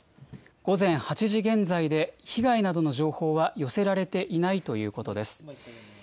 午前８時現在で、被害などの情報は寄せられていないということです。